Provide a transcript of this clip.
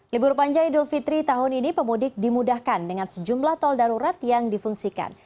libur panjai dulfitri tahun ini pemudik dimudahkan dengan sejumlah tol darurat yang difungsikan